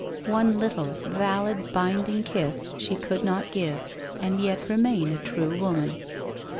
One little, valid, binding kiss she could not give, and yet remain a true woman